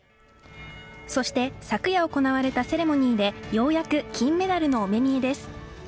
そして昨夜行われたセレモニーで、ようやく金メダルのお目見えです。